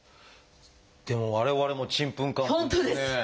でも我々もちんぷんかんぷんですね。